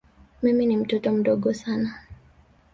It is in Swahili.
Mimi ni mtoto mdogo sana.